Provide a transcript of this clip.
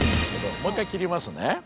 もう一回切りますね。